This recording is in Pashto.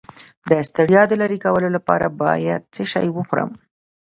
د ستړیا د لرې کولو لپاره باید څه شی وخورم؟